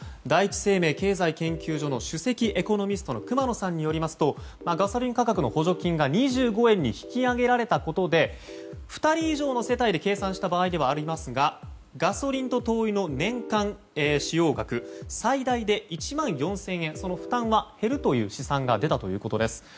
第一生命経済研究所の首席エコノミストの熊野さんによりますとガソリン価格の補助金が２５円に引き上げられたことで２人以上の世帯で計算した場合ではありますがガソリンと灯油の年間使用額最大で１万４０００円負担は減るという試算が出たということです。